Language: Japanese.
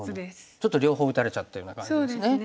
ちょっと両方打たれちゃったような感じですね。